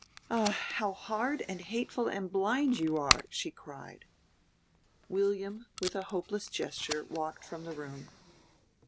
"Ah, how hard and hateful and blind you are!" she cried. William, with a hopeless gesture, walked from the room.